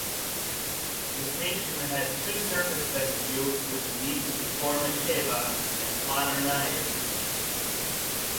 The station has two surface vestibules which lead to Fomicheva and Planernaya streets.